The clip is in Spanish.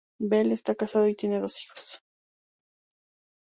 Bell está casado y tiene dos hijos.